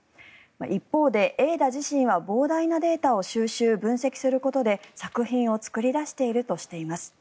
一方で、Ａｉ−Ｄａ自身は膨大なデータを収集・分析することで作品を作り出しているとしています。